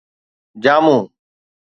جامو